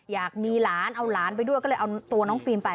อยากมีหลานเอาหลานไปด้วยก็เลยเอาตัวน้องฟิล์มไป